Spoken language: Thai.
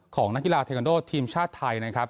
นักกีฬาเทนันโดทีมชาติไทยนะครับ